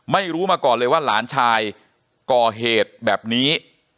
ไม่รู้มาก่อนเลยว่าหลานชายก่อเหตุแบบนี้